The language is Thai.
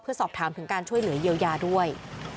สอบถามถึงการช่วยเหลือเยียวยาด้วย